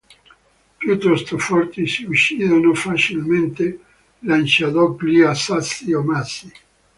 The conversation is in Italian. Piuttosto forti, si uccidono facilmente lanciandogli sassi o massi.